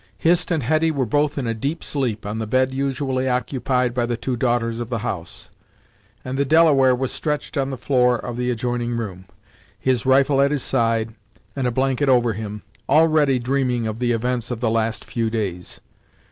Hist and Hetty were both in a deep sleep, on the bed usually occupied by the two daughters of the house, and the Delaware was stretched on the floor of the adjoining room, his rifle at his side, and a blanket over him, already dreaming of the events of the last few days.